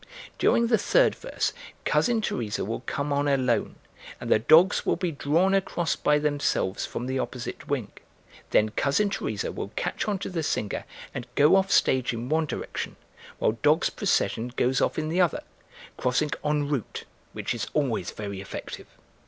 During the third verse Cousin Teresa will come on alone, and the dogs will be drawn across by themselves from the opposite wing; then Cousin Teresa will catch on to the singer and go off stage in one direction, while the dogs' procession goes off in the other, crossing en route, which is always very effective.